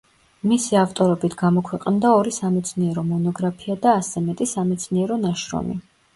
მისი ავტორობით გამოქვეყნდა ორი სამეცნიერო მონოგრაფია და ასზე მეტი სამეცნიერო ნაშრომი.